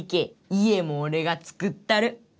家もおれが作ったる。